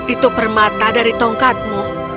itu permata dari tongkatmu